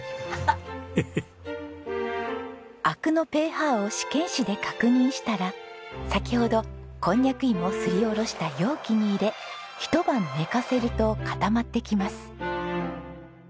灰汁のペーハーを試験紙で確認したら先ほどこんにゃく芋をすりおろした容器に入れ一晩寝かせると固まってきます。